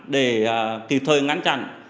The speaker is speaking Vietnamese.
để kịp thời ngắn chặn